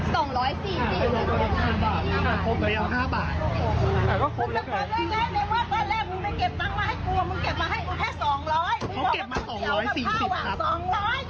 สองร้อยสี่สี่